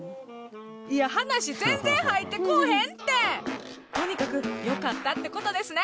いや話全然入って来ぉへんってとにかくよかったってことですね